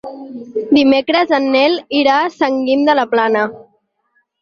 Dimecres en Nel irà a Sant Guim de la Plana.